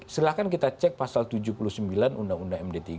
silahkan kita cek pasal tujuh puluh sembilan undang undang md tiga